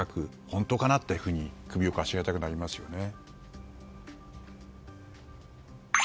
本当かなと首をかしげたくなりますよね。